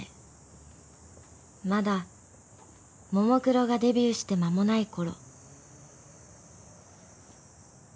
［まだももクロがデビューして間もないころ］